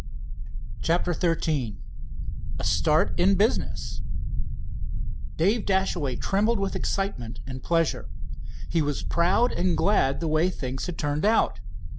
CHAPTER XIII A START IN BUSINESS Dave Dashaway trembled with excitement and pleasure. He was proud and glad the way things had turned out.